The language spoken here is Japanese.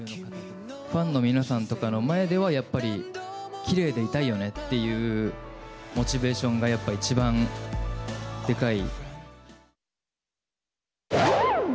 ファンの皆さんとかの前では、やっぱりきれいでいたいよねっていうモチベーションがやっぱり一番でかい。